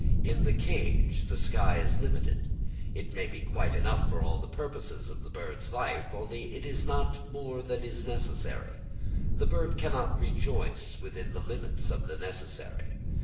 In the cage the sky is limited; it may be quite enough for all the purposes of the bird's life, only it is not more than is necessary. The bird cannot rejoice within the limits of the necessary.